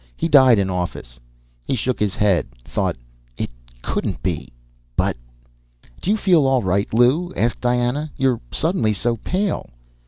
He died in office." He shook his head, thought: _It couldn't be ... but _ "Do you feel all right, Lew?" asked Diana. "You're suddenly so pale."